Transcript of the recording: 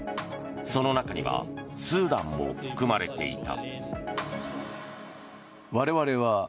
その中にはスーダンも含まれていた。